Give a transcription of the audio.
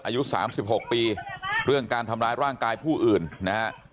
อายุ๓๖ปีเรื่องการทำร้ายร่างกายผู้อื่นนะฮะ